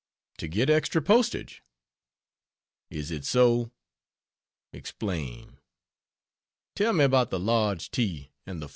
"To get extra postage." "Is it so? Explain. Tell me about the large T and the 40.